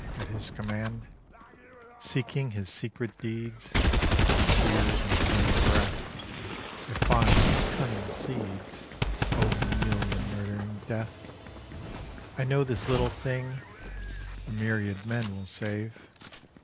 At His command, Seeking His secret deeds With tears and toiling breath, I find thy cunning seeds, O million murdering Death. I know this little thing A myriad men will save.